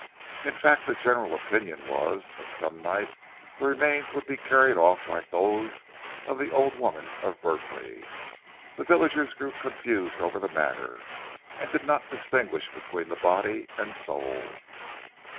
In fact the general opinion was, that some night the remains would be carried off like those of the old woman of Berkley. The villagers grew confused over the matter, and did not distinguish between the body and soul.